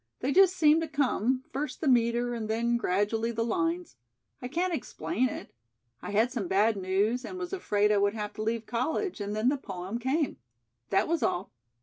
They just seemed to come, first the meter and then, gradually, the lines. I can't explain it. I had some bad news and was afraid I would have to leave college and then the poem came. That was all.